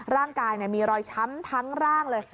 ร่างกายมีรอยช้ำทั้งร่างเลย